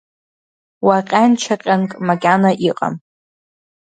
Уаҟьанчаҟьанк макьана иҟам.